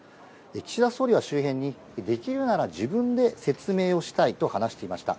岸田総理は周辺にできるなら自分で説明をしたいと話していました。